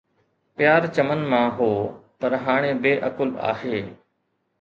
پيار چمن مان هو پر هاڻي بي عقل آهي